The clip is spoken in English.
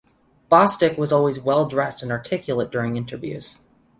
Bostic was always well dressed and articulate during interviews.